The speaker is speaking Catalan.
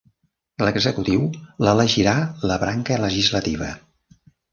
L'executiu l'elegirà la branca legislativa.